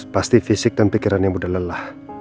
pasti fisik dan pikiran yang udah lelah